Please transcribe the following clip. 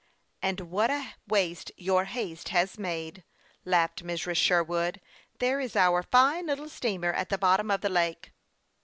" And what a waste your haste has made !" laughed Mrs. Sherwood. " There is our fine little steamer at the bottom of the lake."